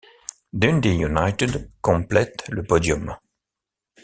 Dundee United complète le podium.